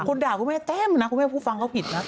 คุณด่าคุณแม่เต็มนะคุณแม่ผู้ฟังเขาผิดนะ